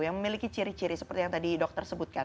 yang memiliki ciri ciri seperti yang tadi dokter sebutkan